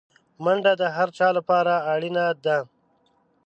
منډه د هر چا لپاره اړینه ده